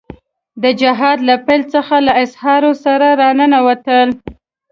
د جهاد له پيل څخه له اسعارو سره را ننوتل.